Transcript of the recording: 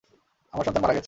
আমার সন্তান মারা গেছে!